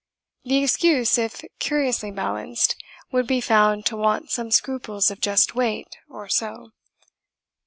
The excuse, if curiously balanced, would be found to want some scruples of just weight, or so."